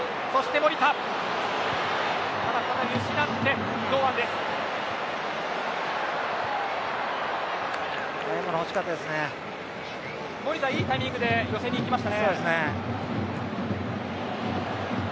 守田、いいタイミングで寄せに行きました。